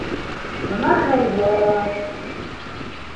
- Бына һәйбәт!